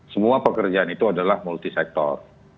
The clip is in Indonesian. semua pekerjaan itu adalah multi sektor